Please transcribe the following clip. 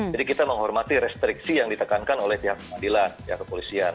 jadi kita menghormati restriksi yang ditekankan oleh pihak kemadilan pihak kepolisian